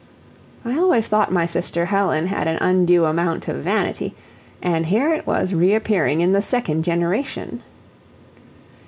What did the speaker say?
I always thought my sister Helen had an undue amount of vanity, and here it was reappearing in the second generation.